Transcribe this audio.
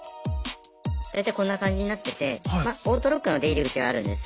大体こんな感じになっててまオートロックの出入り口があるんです。